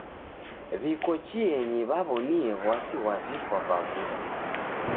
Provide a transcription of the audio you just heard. W'iko chienyi w'aw'onie w'asi ghwa vifwa va w'uda.